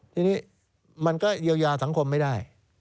ทีนี้มันก็เยียวยาสังคมไม่ได้